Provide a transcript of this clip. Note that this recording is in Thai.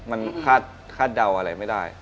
มันคาดเดาอะไรไม่ได้